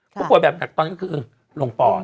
ผู้ป่วยแบบหนักตอนนั้นก็คือลงปอด